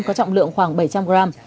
có trọng lượng khoảng bảy trăm linh gram